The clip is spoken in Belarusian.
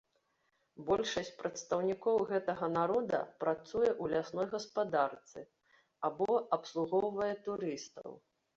Большасць прадстаўнікоў гэтага народа працуе ў лясной гаспадарцы або абслугоўвае турыстаў.